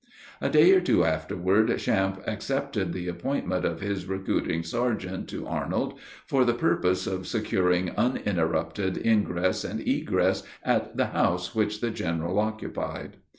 A day or two afterward, Champe accepted the appointment of recruiting sergeant to Arnold, for the purpose of securing uninterrupted ingress and egress at the house which the general occupied.